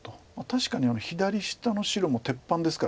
確かに左下の白も鉄板ですから。